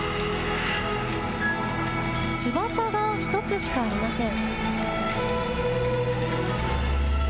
翼が１つしかありません。